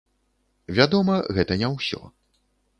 Вядома, гэта не ўсё.